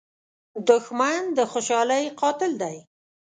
دښمن د خوشحالۍ قاتل دی